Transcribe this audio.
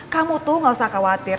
kamu tuh gak usah khawatir